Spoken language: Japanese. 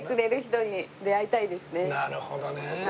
なるほどねえ。